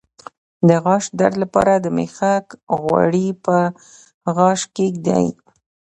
د غاښ درد لپاره د میخک غوړي په غاښ کیږدئ